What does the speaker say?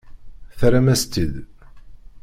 Terram-as-tt-id.